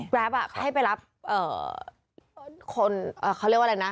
แรปให้ไปรับคนเขาเรียกว่าอะไรนะ